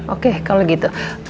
oke kalau gitu